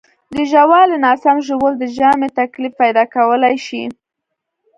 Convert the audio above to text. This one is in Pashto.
د ژاولې ناسم ژوول د ژامې تکلیف پیدا کولی شي.